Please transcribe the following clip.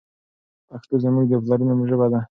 پښتو زموږ د پلرونو ژبه ده.